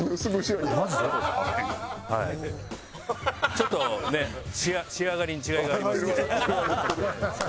ちょっとね仕上がりに違いがありますけど。